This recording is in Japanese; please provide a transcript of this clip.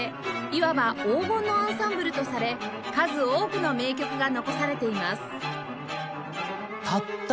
いわば黄金のアンサンブルとされ数多くの名曲が残されています